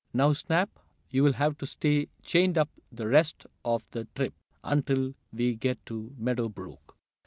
Now, Snap, you'll have to stay chained up the rest of the trip, until we get to Meadow Brook."